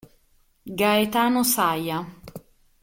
Gaetano Saya